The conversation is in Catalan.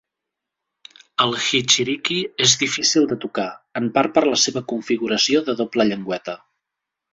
El "hichiriki" és difícil de tocar, en part per la seva configuració de doble llengüeta.